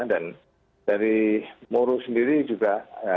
dan dari moro sendiri juga